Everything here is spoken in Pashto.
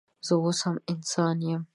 زه اوس هم انسانه یم